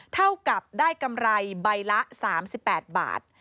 เท่ากับได้กำไรใบละ๓๘บาท